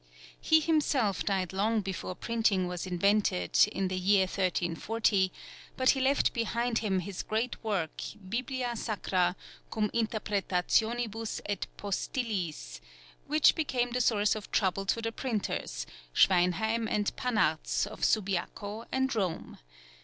He himself died long before printing was invented, in the year 1340, but he left behind him his great work, Biblia sacra cum interpretationibus et postillis, which became the source of trouble to the printers, Schweynheym and Pannartz, of Subiaco and Rome.